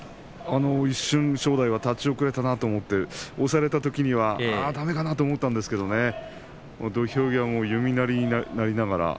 一瞬正代が立ち遅れて押されたときにはだめかなと思ったんですが土俵際、弓なりになりながら。